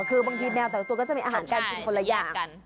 คือบางทีแมวแต่ละตัวก็จะมีอาหารการกินคนละอย่างกัน